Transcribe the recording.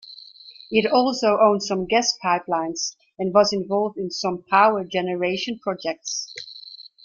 It also owned some gas pipelines and was involved in some power generation projects.